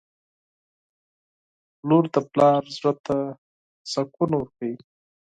• لور د پلار زړه ته سکون ورکوي.